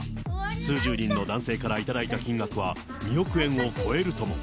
数十人の男性から頂いた金額は、２億円を超えるとも。